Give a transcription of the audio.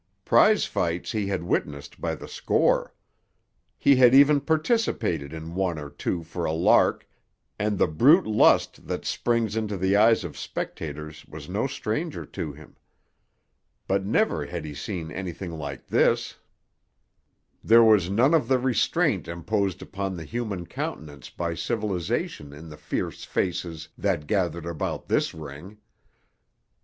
Prize fights he had witnessed by the score. He had even participated in one or two for a lark, and the brute lust that springs into the eyes of spectators was no stranger to him. But never had he seen anything like this. There was none of the restraint imposed upon the human countenance by civilisation in the fierce faces that gathered about this ring.